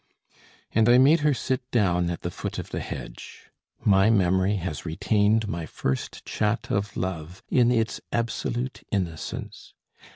And I made her sit down at the foot of the hedge. My memory has retained my first chat of love in its absolute innocence.